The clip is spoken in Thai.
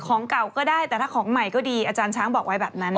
ของเก่าก็ได้แต่ถ้าของใหม่ก็ดีอาจารย์ช้างบอกไว้แบบนั้น